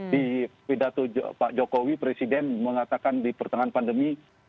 di pidato pak jokowi presiden mengatakan di pertengahan pandemi